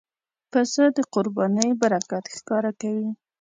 پسه د قربانۍ برکت ښکاره کوي.